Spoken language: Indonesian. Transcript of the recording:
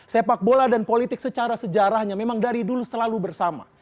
sepak bola dan politik secara sejarahnya memang dari dulu selalu bersama